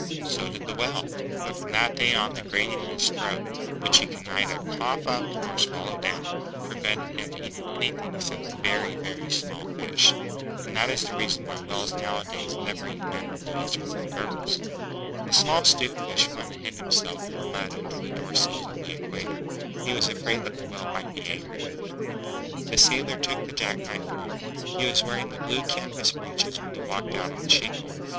So did the Whale. But from that day on, the grating in his throat, which he could neither cough up nor swallow down, prevented him eating anything except very, very small fish; and that is the reason why whales nowadays never eat men or boys or little girls. The small 'Stute Fish went and hid himself in the mud under the Door sills of the Equator. He was afraid that the Whale might be angry with him. The Sailor took the jack knife home. He was wearing the blue canvas breeches when he walked out on the shingle.